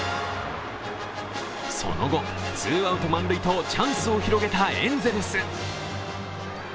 その後、ツーアウト満塁とチャンスを広げたエンゼルス。